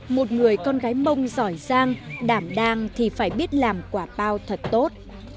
một người con gái mông giỏi giang đảm đang thì phải biết làm quả bao thật tốt